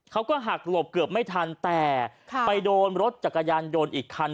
เขาก็หักหลบเกือบไม่ทันแต่ไปโดนรถจักรยานยนต์อีกคัน